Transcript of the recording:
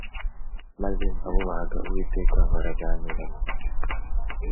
Maze abubahaga Uwiteka baraganiraga